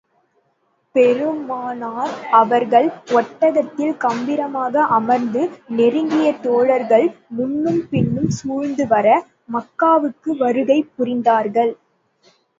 பெருமானார் அவர்கள் ஒட்டகத்தில் கம்பீரமாக அமர்ந்து, நெருங்கிய தோழர்கள் முன்னும் பின்னும் சூழ்ந்து வர, மக்காவுக்கு வருகை புரிந்தார்கள்.